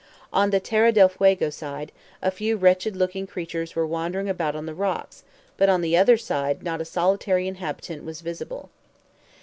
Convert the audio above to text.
On the Terra del Fuego side, a few wretched looking creatures were wandering about on the rocks, but on the other side not a solitary inhabitant was visible.